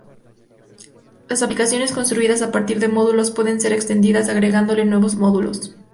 Las aplicaciones construidas a partir de módulos pueden ser extendidas agregándole nuevos módulos.